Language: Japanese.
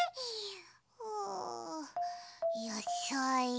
うやさい。